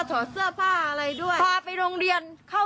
แล้วต้องพอเสื้อพาเด็กด้วยอ่ะพาเข้าห้องน้ำ